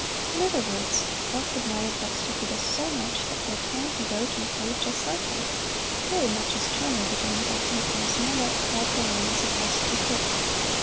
In other words, Bach admired Buxtehude so much that for a time he wrote and played just like him, very much as Turner began by painting as near like Claude Lorraine as he possibly could.